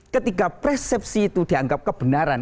ketika persepsi itu dianggap kebenaran